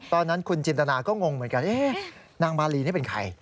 ตอนนั้นคุณจินตนาก็งงเหมือนกันนางมาลีนี่เป็นใคร